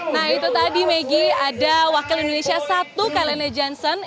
nah itu tadi maggie ada wakil indonesia satu kalena johnson